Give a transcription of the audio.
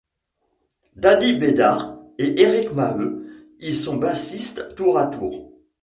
Dany Bédar et Éric Maheu y sont bassistes tour à tour.